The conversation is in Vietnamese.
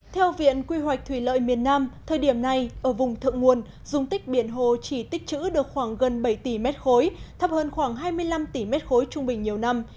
theo viện quy hoạch thủy lợi miền nam thời điểm này ở vùng thượng nguồn dung tích biển hồ chỉ tích chữ được khoảng gần bảy tỷ m ba thấp hơn khoảng hai mươi năm tỷ m ba trung bình nhiều năm